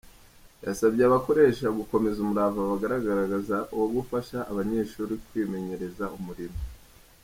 Yasabye abakoresha gukomeza umurava bagaragaza wo gufasha abanyeshuri kwimenyereza umurimo.